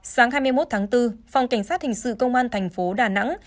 sáng hai mươi một tháng bốn phòng cảnh sát hình sự công an thành phố đà nẵng